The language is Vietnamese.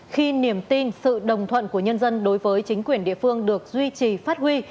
khi niềm tin sự đồng thuận của nhân dân đối với chính quyền địa phương được duy trì phát huy